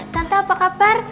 tante apa kabar